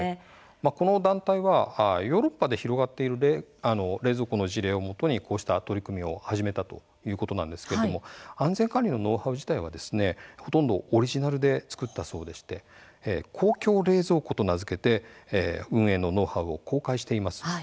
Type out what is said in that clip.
この団体はヨーロッパで広がっている冷蔵庫の事例をもとにこうした取り組みを始めたということなんですけれども安全管理のノウハウ自体はほとんどオリジナルで作ったそうでして公共冷蔵庫と名付けて運営のノウハウを公開しています。